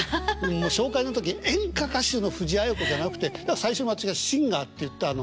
もう紹介の時「演歌歌手の藤あや子」じゃなくて最初に私がシンガーって言ったのが。